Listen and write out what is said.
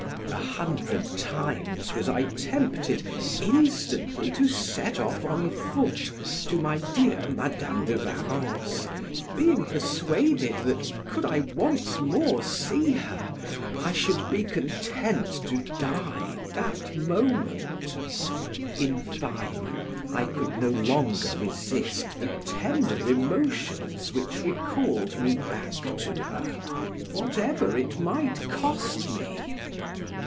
A hundred times was I tempted instantly to set off on foot to my dear Madam de Warrens, being persuaded that could I once more see her, I should be content to die that moment: in fine, I could no longer resist the tender emotions which recalled me back to her, whatever it might cost me.